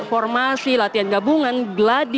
formasi latihan gabungan gladi